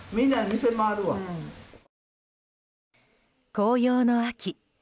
紅葉の秋。